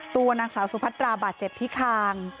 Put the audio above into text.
ตัวนางสาวสุพัตราบาดเจ็บที่คาง